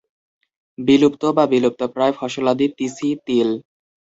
বিলুপ্ত বা বিলুপ্তপ্রায় ফসলাদি তিসি, তিল।